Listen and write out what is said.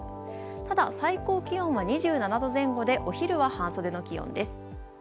ただ、最高気温は２７度前後でお昼は半袖の気温です。